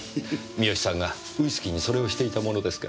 三好さんがウイスキーにそれをしていたものですから。